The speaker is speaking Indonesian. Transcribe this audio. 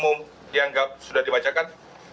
umum dianggap sudah dibacakan